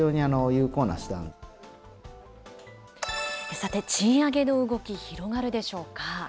さて、賃上げの動き、広がるでしょうか。